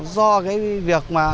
do cái việc mà